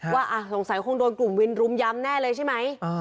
ว่าสงสัยคงโดนกลุ่มวินรุมย้ำแน่เลยใช่ไหม